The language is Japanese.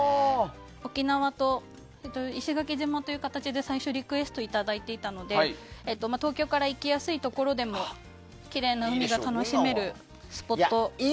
沖縄と石垣島という形で最初リクエストをいただいていたので東京から行きやすいところでもきれいな海が楽しめるスポットになってます。